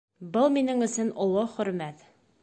Был минең өсөн оло хөрмәт